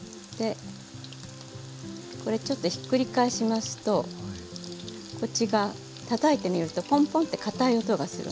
これちょっとひっくり返しますとこっちがたたいてみるとポンポンってかたい音がするんですね。